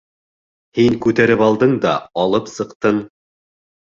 Һин күтәреп алдың да алып сыҡтың...